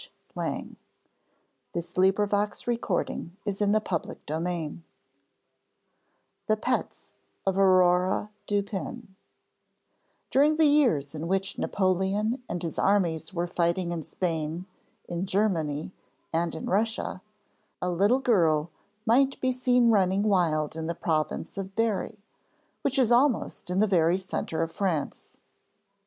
[Tlingit Myths and Texts, recorded by John R. Swanton.] THE PETS OF AURORE DUPIN During the years in which Napoleon and his armies were fighting in Spain, in Germany, and in Russia, a little girl might be seen running wild in the province of Berry, which is almost in the very centre of France.